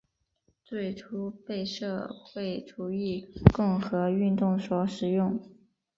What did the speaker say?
最初被社会主义共和运动所使用。